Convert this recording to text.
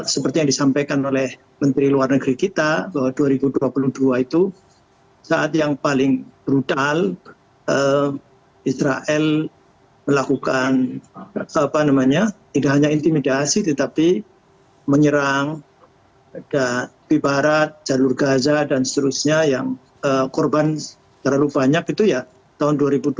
seperti yang disampaikan oleh menteri luar negeri kita bahwa dua ribu dua puluh dua itu saat yang paling brutal israel melakukan apa namanya tidak hanya intimidasi tetapi menyerang biparat jalur gaza dan seterusnya yang korban terlalu banyak itu ya tahun dua ribu dua puluh dua